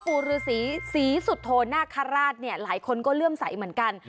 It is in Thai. ภูรศีสีสุดโทนน่าการราชหลายคนก็เลื่อมใสเหมือนกัน